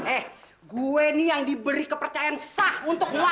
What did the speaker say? eh gue nih yang diberi kepercayaan sah untuk nguasain rumah ini semua